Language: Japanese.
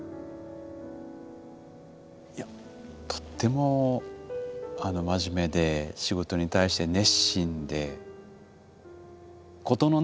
いやとっても真面目で仕事に対して熱心で事のね